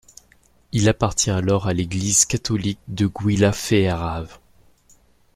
Il appartient alors à l'Église catholique de Gyulafehérvár.